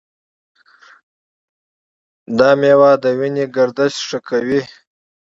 دا میوه د وینې گردش ښه کوي.